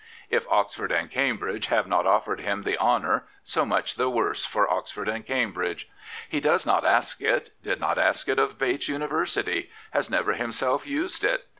If Oxford and Cambridge have not offered him the honour, so much the worse for Oxford and Cambridge. He does not ask it, did not ask it of Bates University, has never himself used it.